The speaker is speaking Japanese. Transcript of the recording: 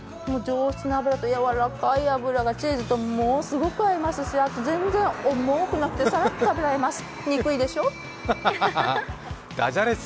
上質な脂とやわらかい脂がチーズとものすごく合いますし、全然重くなくてサラッと食べられます。